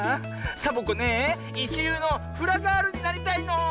サボ子ねえいちりゅうのフラガールになりたいの！